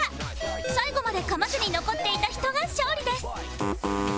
最後まで噛まずに残っていた人が勝利です